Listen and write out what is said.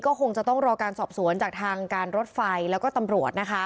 ก็คงจะต้องรอการสอบสวนจากทางการรถไฟแล้วก็ตำรวจนะคะ